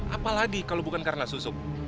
apalagi kalau bukan karena susu